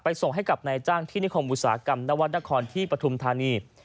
ส่งให้กับนายจ้างที่นิคมอุตสาหกรรมนวัดนครที่ปฐุมธานี